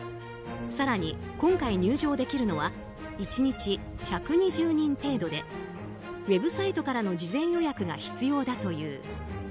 更に今回、入場できるのは１日１２０人程度でウェブサイトからの事前予約が必要だという。